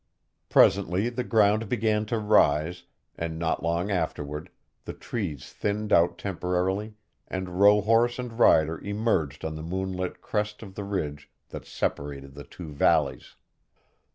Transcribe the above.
Presently the ground began to rise, and not long afterward the trees thinned out temporarily and rohorse and rider emerged on the moonlit crest of the ridge that separated the two valleys.